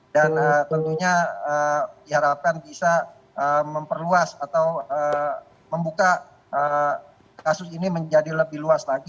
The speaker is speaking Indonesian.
dan tentunya diharapkan bisa memperluas atau membuka kasus ini menjadi lebih luas lagi